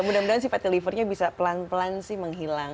mudah mudahan fatty livernya bisa pelan pelan sih menghilang